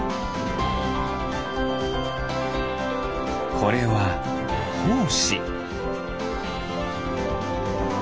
これはほうし。